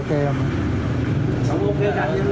tiếp chúng tôi